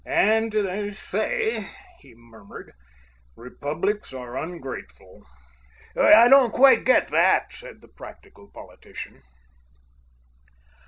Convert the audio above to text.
"And they say," he murmured, "republics are ungrateful." "I don't quite get that," said the practical politician.